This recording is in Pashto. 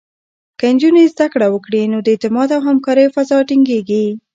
که نجونې زده کړه وکړي، نو د اعتماد او همکارۍ فضا ټینګېږي.